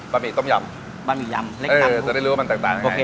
ปิ้มยี่ต้มยำปิ้มยี่ยำเล็กต้มทุกคน